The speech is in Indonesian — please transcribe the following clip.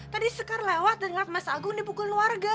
tadi sekar lewat dan ngeliat mas agung dipukul warga